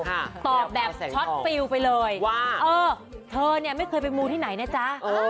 ตอบแบบช็อตฟิลไปเลยว่าเออเธอเนี่ยไม่เคยไปมูที่ไหนนะจ๊ะ